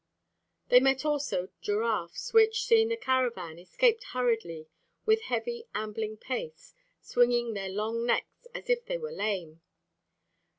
They met also giraffes, which, seeing the caravan, escaped hurriedly with heavy ambling pace, swinging their long necks as if they were lame.